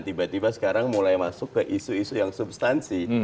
tiba tiba sekarang mulai masuk ke isu isu yang substansi